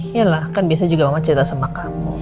iyalah kan biasanya mama cerita sama kamu